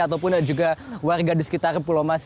ataupun juga warga di sekitar pulau mas